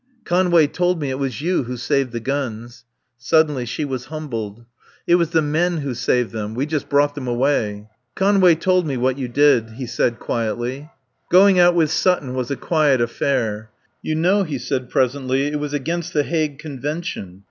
"Conway told me it was you who saved the guns." Suddenly she was humbled. "It was the men who saved them. We just brought them away." "Conway told me what you did," he said quietly. Going out with Sutton was a quiet affair. "You know," he said presently, "it was against the Hague Convention."